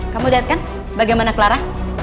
kamu lihat kan bagaimana clara